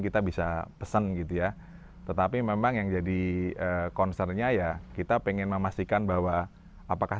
kita bisa pesen gitu ya tetapi memang yang jadi concernnya ya kita pengen memastikan bahwa apakah